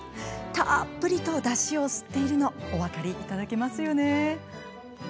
たっぷりとだしを吸っているのお分かりいただけますよね。